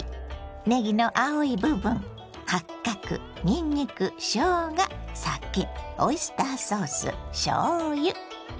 ねぎの青い部分八角にんにくしょうが酒オイスターソースしょうゆ。